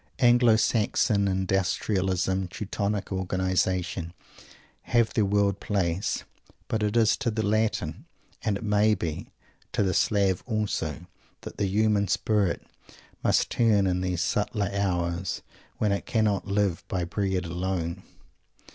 Anglo Saxon Industrialism, Teutonic Organization, have their world place; but it is to the Latin, and, it may be, to the Slav also, that the human spirit must turn in those subtler hours when it cannot "live by bread alone."